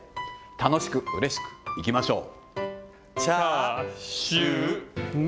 楽しくうれしくいきましょう。